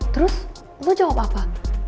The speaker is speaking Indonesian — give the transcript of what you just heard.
terus lo jawab apa